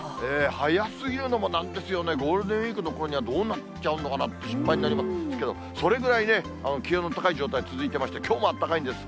早すぎるのもなんですよね、ゴールデンウィークのころにはどうなっちゃうのかなって心配になりますけど、それぐらいね、気温の高い状態、続いてまして、きょうも暖かいんです。